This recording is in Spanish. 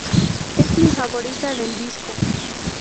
Es mi favorita del disco.